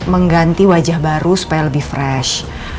mengganti wajah baru supaya lebih fresh